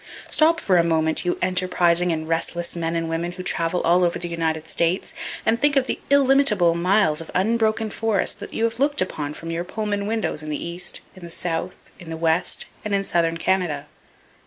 Stop for a moment, you enterprising and restless men and women who travel all over the United States, and think of the illimitable miles of unbroken forest that you have looked upon from your Pullman windows in the East, in the South, in the West and in southern Canada.